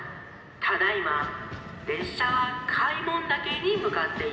ただいまれっしゃは開聞岳にむかっています。